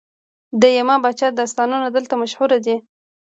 د یما پاچا داستانونه دلته مشهور دي